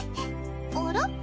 あら？